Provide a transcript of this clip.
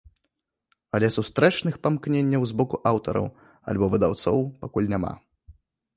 Але сустрэчных памкненняў з боку аўтараў альбо выдаўцоў пакуль няма.